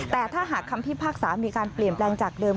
แต่ถ้าหากคำพิพากษามีการเปลี่ยนแปลงจากเดิม